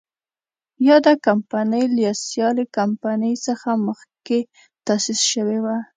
یاده کمپنۍ له سیالې کمپنۍ څخه مخکې تاسیس شوې وه.